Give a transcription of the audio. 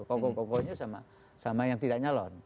kokoh kokohnya sama yang tidak nyalon